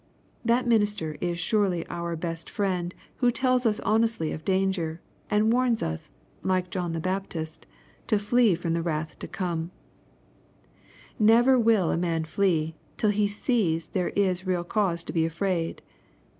That minister is surely our best, friend who tells us honestly of danger, and warns us, like John the Baptist, to " flee from the wrath to come," Never will a man flee till he sees there is real cause to be afraid.